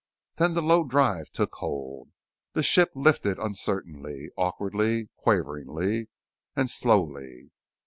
Then the low drive took hold. The ship lifted uncertainly, awkwardly, quaveringly, and slowly.